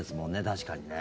確かにね。